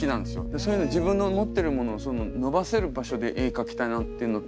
そういうの自分の持ってるものを伸ばせる場所で絵描きたいなっていうのもあるし。